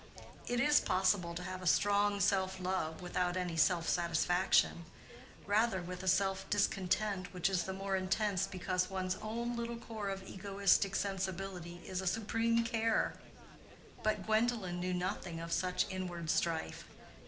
It is possible to have a strong self love without any self satisfaction, rather with a self discontent which is the more intense because one's own little core of egoistic sensibility is a supreme care; but Gwendolen knew nothing of such inward strife.